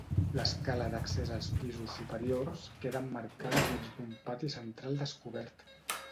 L'escala d'accés als pisos superiors queda emmarcada dins d'un pati central descobert.